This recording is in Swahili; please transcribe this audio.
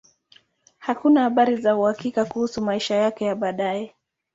Hakuna habari za uhakika kuhusu maisha yake ya baadaye.